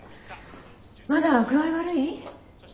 まだ具合悪い？